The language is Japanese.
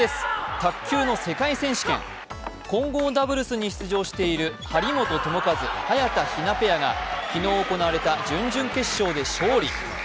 卓球の世界選手権、混合ダブルスに出演している張本智和、早田ひなペアが昨日夕方、準々決勝で勝利。